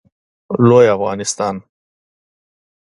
لوی افغانستان